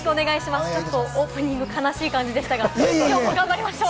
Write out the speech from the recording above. ちょっとオープニング、悲しい感じでしたが、今日も頑張りましょう！